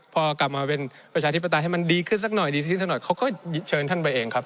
พอกลับมาเป็นประชาธิปไตยให้มันดีขึ้นสักหน่อยดีสักหน่อยเขาก็เชิญท่านไปเองครับ